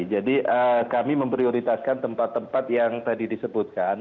jadi kami memprioritaskan tempat tempat yang tadi disebutkan